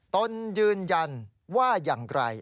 ตนยืนยันว่าอย่างไร